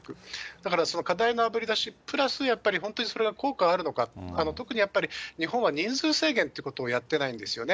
だから、課題のあぶり出しプラスやっぱり本当にそれが効果があるのか、特にやっぱり日本は人数制限ってことをやってないんですよね。